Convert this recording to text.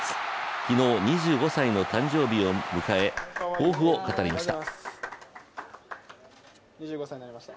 昨日、２５歳の誕生日を迎え抱負を語りました。